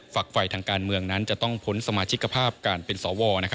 ฝักไฟทางการเมืองนั้นจะต้องพ้นสมาชิกภาพการเป็นสว